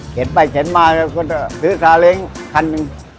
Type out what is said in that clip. เข็นไปเข็นมาก็คือซื้อสาเลงคันหนึ่ง